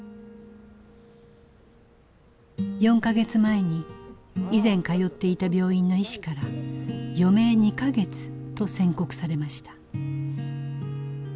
４か月前に以前通っていた病院の医師から余命２か月と宣告されました。